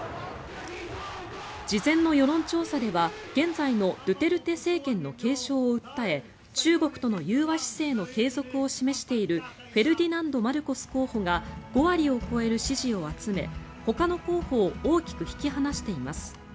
事前の世論調査では現在のドゥテルテ政権の継承を訴え中国との融和姿勢の継続を示しているフェルディナンド・マルコス候補が５割を超える支持を集めほかの候補を大きく引き離しています。